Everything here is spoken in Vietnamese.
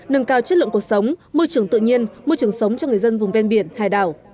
nâng cao chất lượng cuộc sống môi trường tự nhiên môi trường sống cho người dân vùng ven biển hải đảo